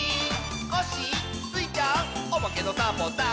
「コッシースイちゃんおまけのサボさん」